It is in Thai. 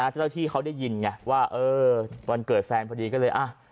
เจ้าที่เขาได้ยินว่าวันเกิดแฟนพอดีก็เลย